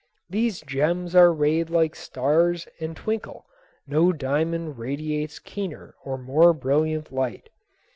These gems are rayed like stars and twinkle; no diamond radiates keener or more brilliant light.